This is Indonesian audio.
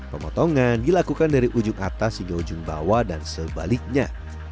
pemotongan dilakukan dari ujung atas hingga ujung bawah dan sebaliknya